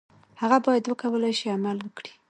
هغه باید وکولای شي عمل وکړي.